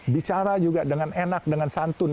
bicara juga dengan enak dengan santun